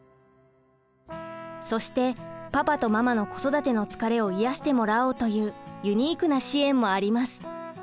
そしてパパとママの子育ての疲れを癒やしてもらおうというユニークな支援もあります。